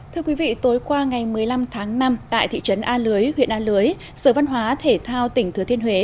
thưa quý vị tối qua ngày một mươi năm tháng năm tại thị trấn a lưới huyện a lưới sở văn hóa thể thao tỉnh thừa thiên huế